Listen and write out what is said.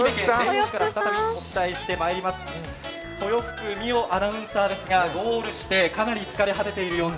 豊福海央アナウンサーですがゴールしてかなり疲れ果てている様子。